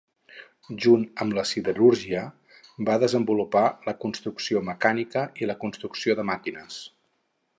Junt amb la siderúrgia, va desenvolupar la construcció mecànica i la construcció de màquines.